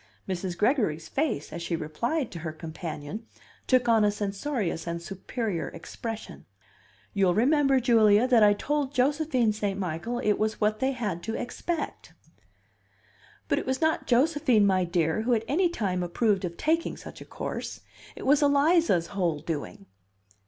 Mrs. Gregory's face, as she replied to her companion, took on a censorious and superior expression. "You'll remember, Julia, that I told Josephine St. Michael it was what they had to expect." "But it was not Josephine, my dear, who at any time approved of taking such a course. It was Eliza's whole doing."